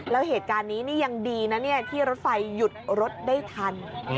แล้วเหตุการณ์นี้นี่ยังดีนะที่รถไฟหยุดรถได้ทัน